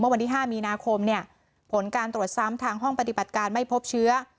วันที่๕มีนาคมเนี่ยผลการตรวจซ้ำทางห้องปฏิบัติการไม่พบเชื้อ